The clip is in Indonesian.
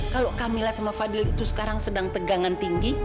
kalau kamila sama fadil itu sekarang sedang tegangan tinggi